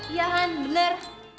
iya han bener